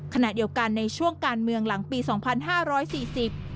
ขณะเดียวกันในช่วงการเมืองหลังปีสองพันห้าร้อยสี่สิบ